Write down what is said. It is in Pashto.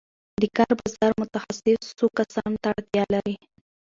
د کار بازار متخصصو کسانو ته اړتیا لري.